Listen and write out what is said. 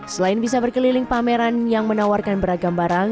selain bisa berkeliling pameran yang menawarkan beragam barang